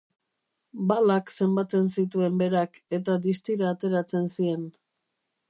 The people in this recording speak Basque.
Balak zenbatzen zituen berak, eta distira ateratzen zien.